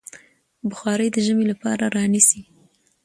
بخارۍ د ژمي لپاره رانيسئ.